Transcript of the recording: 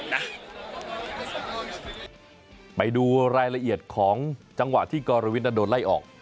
ไปดูรายละเอียดของจังหวะที่กรวิทนั้นโดนไล่ออก